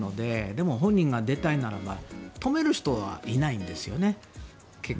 でも、本人が出たいなら止める人はいないんですよね